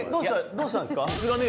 どうしたんですか？